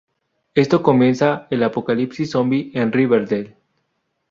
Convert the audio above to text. Esto comienza el apocalipsis zombi en Riverdale.